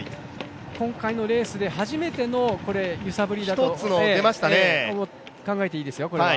今回のレースで初めての揺さぶりと考えていいです。